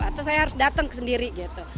atau saya harus dateng ke sendiri gitu